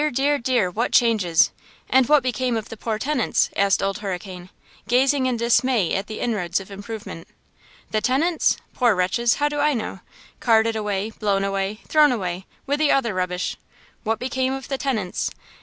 dear! dear! what changes! And what became of the poor tenants?" asked Old Hurricane, gazing in dismay at the inroads of improvement. "The tenants? poor wretches! how do I know? Carted away, blown away, thrown away, with the other rubbish. What became of the tenants?